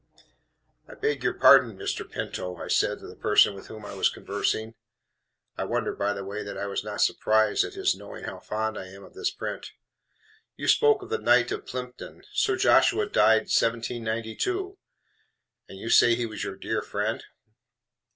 "I beg your pardon, Mr. PINTO," I said to the person with whom I was conversing. (I wonder, by the way, that I was not surprised at his knowing how fond I am of this print.) "You spoke of the Knight of Plympton. Sir Joshua died 1792: and you say he was your dear friend?"